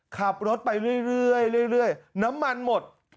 ขับรถไปเรื่อยน้ำมันหมด